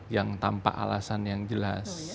yang tanpa alasan yang jelas